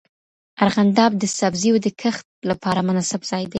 ارغنداب د سبزیو د کښت لپاره مناسب ځای دی.